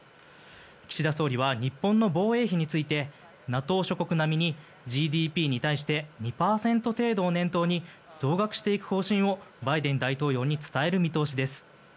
岸田総理は日本の防衛費についてＮＡＴＯ諸国並みにＧＤＰに対して２％程度を念頭に増額していく方針をバイデン大統領に伝える見通しです。